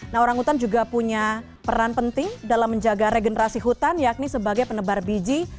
nah orang hutan juga punya peran penting dalam menjaga regenerasi hutan yakni sebagai penebar biji